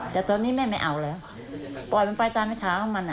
แต่ตอนนี้แม่ไม่เอาแล้วปล่อยมันไปตามขาของมัน